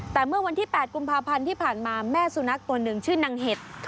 แต่เมื่อวันที่๘กุมภาพันธ์ที่ผ่านมาแม่สุนัขตัวหนึ่งชื่อนางเห็ด